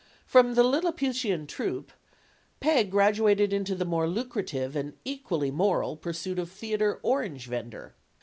From the "Liliputian Troupe," Peg graduated into the more lucrative and equally moral pursuit of theater orange vender.